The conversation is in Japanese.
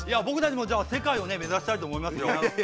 僕たちもじゃあ世界をね目指したいと思いますよ。